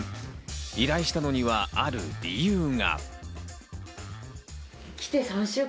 依頼したのにはある理由が。